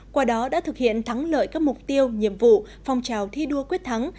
qua đó đã thực hiện thắng lợi các mục tiêu nhiệm vụ phong trào thi đua quyết thắng